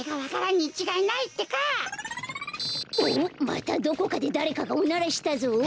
またどこかでだれかがおならしたぞ。